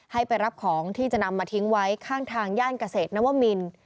ให้ไปรับของที่จะนำมาทิ้งไว้ข้างทางย่านเกษตรนวมิน